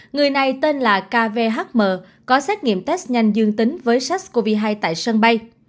người này tên là kvhm có xét nghiệm test nhanh dương tính với sars cov hai tại sân bay